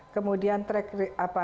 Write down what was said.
kemudian track apa